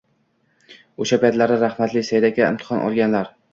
Oʻsha paytlari rahmatli Said aka imtihon olganlar.